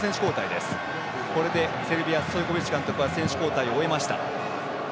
これで、セルビアストイコビッチ監督は選手交代を終えました。